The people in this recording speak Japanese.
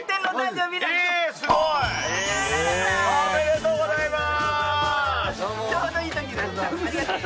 すごい！！おめでとうございます！